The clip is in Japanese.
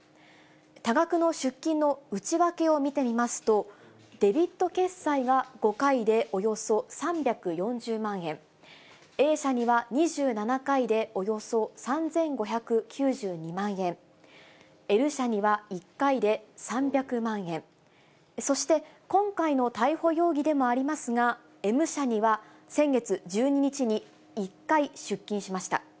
多額の出金の内訳を見てみますと、デビット決済が５回でおよそ３４０万円、Ａ社には２７回でおよそ３５９２万円、Ｌ社には１回で３００万円、そして今回の逮捕容疑でもありますが、Ｍ社には先月１２日に１回出金しました。